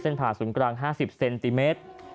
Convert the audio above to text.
ผ่าศูนย์กลาง๕๐เซนติเมตร